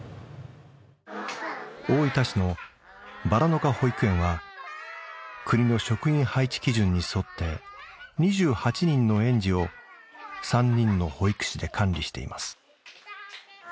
大分市のばらのか保育園は国の職員配置基準に沿って２８人の園児を３人の保育士で管理しています。